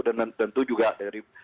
dan tentu juga dari